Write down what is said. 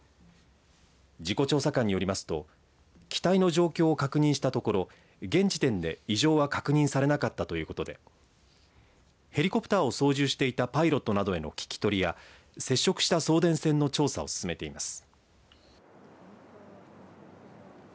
事故調査官によりますと機体の状況を確認したところ現時点で異常は確認されなかったということでヘリコプターを操縦していたパイロットなどへの聞き取りや接触した送電線の調査を進めています。